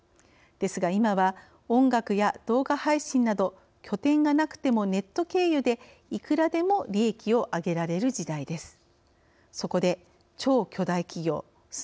ですが、今は音楽や動画配信など拠点がなくてもネット経由で、いくらでも利益を上げられる時代です。